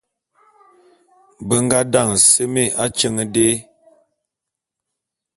Be nga daňe semé atyeň dé.